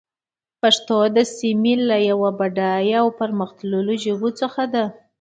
پښتو د سيمې يوه له بډايه او پرمختللو ژبو څخه ده.